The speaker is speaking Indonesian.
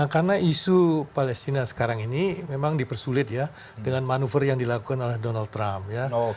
karena isu palestina sekarang ini memang dipersulit ya dengan manuver yang dilakukan oleh donald trump ya